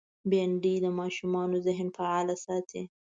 بېنډۍ د ماشوم ذهن فعال ساتي